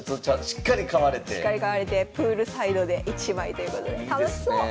しっかり買われてプールサイドで１枚ということで楽しそう！